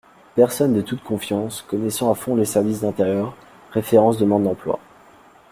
Personne de toute confiance, connaissant à fond le service d'intérieur, références, demande emploi.